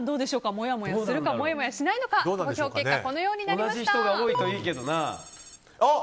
もやもやするのかしないのか投票結果はこのようになりました。